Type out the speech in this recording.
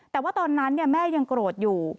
แต่ว่าตอนนั้นแม่ยังโกรธอยู่